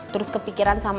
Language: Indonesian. terus kepikiran sama apa